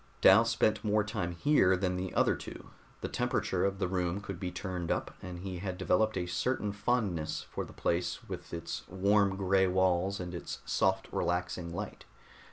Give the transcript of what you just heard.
Dal spent more time here than the other two; the temperature of the room could be turned up, and he had developed a certain fondness for the place with its warm gray walls and its soft relaxing light.